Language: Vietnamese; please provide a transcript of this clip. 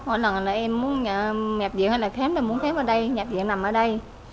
mỗi lần là em muốn nhập viện hay là khém em muốn khém ở đây nhập viện nằm ở đây